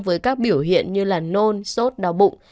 với các biểu hiện như nôn sốt đau bụng